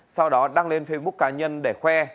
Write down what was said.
sau đó đăng lên facebook cá nhân để khoe